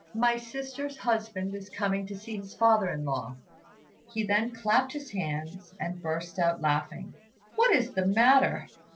My sister's husband is coming to see his father in law." He then clapped his hands, and burst out laughing. "What is the matter?"